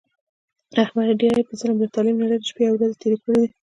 احمد ډېرې په ظلم، له تعلیم نه لرې شپې او ورځې تېرې کړې دي.